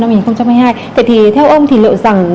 năm hai nghìn hai mươi hai thế thì theo ông thì lựa rằng